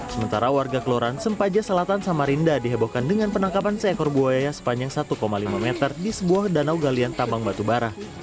sementara warga keluaran sempaja selatan samarinda dihebohkan dengan penangkapan seekor buaya sepanjang satu lima meter di sebuah danau galian tambang batubara